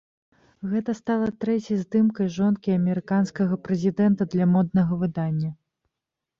Гэта стала трэцяй здымкай жонкі амерыканскага прэзідэнта для моднага выдання.